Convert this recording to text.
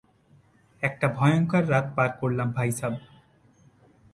একটা ভয়ংকর রাত পার করলাম ভাইসাব।